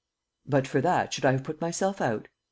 "But for that, should I have put myself out?